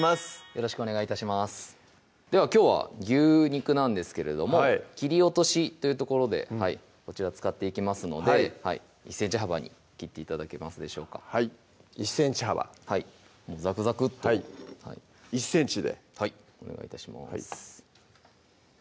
よろしくお願い致しますではきょうは牛肉なんですけれども切り落としというところでこちら使っていきますので１ｃｍ幅に切って頂けますでしょうかはい１ｃｍ幅はいザクザクッと１ｃｍではいお願い致します